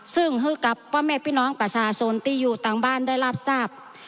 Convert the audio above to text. ซึ่งฮึกกับพ่อแม่พี่น้องประชาชนที่อยู่ต่างบ้านได้รับทราบ